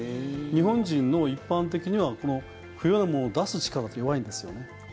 日本人、一般的には不要なものを出す力って弱いんですよね。